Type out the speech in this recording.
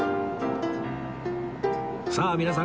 さあ皆さん！